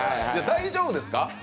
大丈夫ですか？